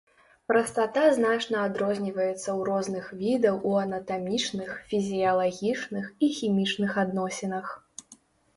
Прастата значна адрозніваецца ў розных відаў у анатамічных, фізіялагічных і хімічных адносінах.